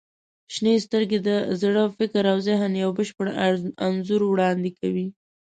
• شنې سترګې د زړه، فکر او ذهن یو بشپړ انځور وړاندې کوي.